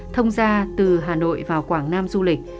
thông ra từ hà nội vào quảng nam du lịch